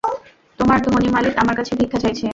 তোমার ধনী মালিক আমার কাছে ভিক্ষা চাইছে।